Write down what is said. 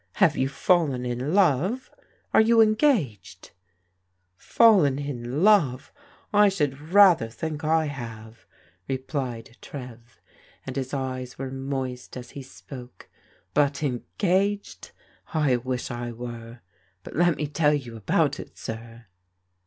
" Have you fallen in love? Are you engaged? "" Fallen in love ! I should rather think I have " r^ plied Trev, and his eyes were moist as Tae s^c^a. ^^^^a^. 270 PRODIGAL DAUGHTERS engaged t I wish I were. But let me tell you about it, sir."